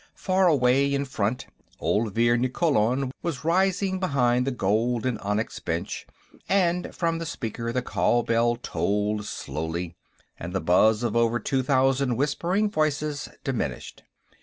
Far away, in front, Olvir Nikkolon was rising behind the gold and onyx bench, and from the speaker the call bell tolled slowly, and the buzz of over two thousand whispering voices diminished.